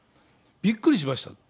びっくりしました。